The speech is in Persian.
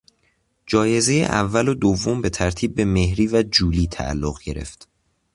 جایزهی اول و دوم به ترتیب به مهری و جولی تعلق گرفت.